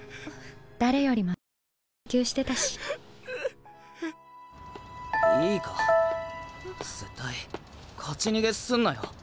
誰よりも先に号泣してたしいいか絶対勝ち逃げすんなよ！